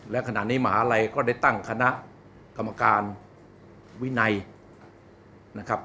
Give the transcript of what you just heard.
และขณะนี้มหาลัยก็ได้ตั้งคณะกรรมการวินัยนะครับ